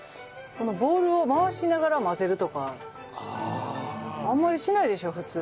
このボールを回しながら混ぜるとかあんまりしないでしょ普通。